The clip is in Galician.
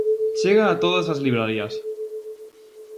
Chega a todas as librarías.